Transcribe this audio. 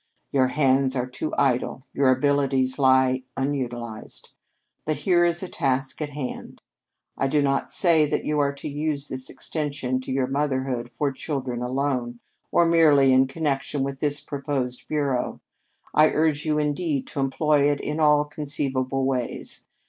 Your hands are too idle; your abilities lie unutilized. But here is a task at hand. I do not say that you are to use this extension to your motherhood for children alone, or merely in connection with this proposed Bureau. I urge you, indeed, to employ it in all conceivable ways.